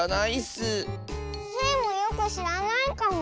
スイもよくしらないかも。